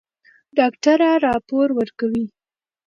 ډاکټره راپور ورکوي.